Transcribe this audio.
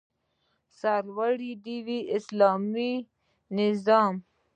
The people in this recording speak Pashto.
سرلوړی دې وي اسلامي نظام